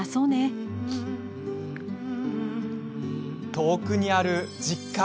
遠くにある実家。